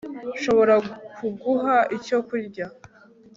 nshobora kuguha icyo kurya